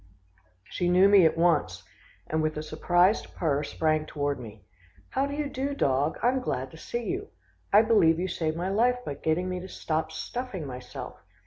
She knew me at once, and with a surprised purr sprang toward me. "How do you do, dog, I am glad to see you. I believe you saved my life by getting me to stop stuffing myself.